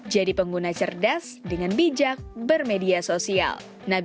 jadi pengguna cerdas dengan bijak bermedia sosial